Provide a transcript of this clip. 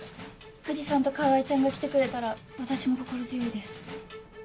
藤さんと川合ちゃんが来てくれたら私も心強いです。